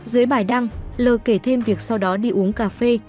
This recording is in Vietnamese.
dưới bài đăng lờ kể thêm việc sau đó đi uống cà phê